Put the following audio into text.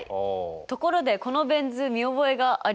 ところでこのベン図見覚えがありませんか？